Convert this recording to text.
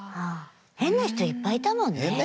変な人いっぱいいたもんね。